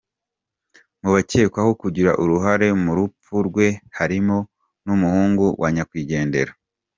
Mu bakekwaho kugira uruhare mu rupfu rwe harimo n’umuhungu wa nyakwigendera.